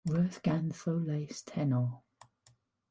Roedd ganddo lais tenor.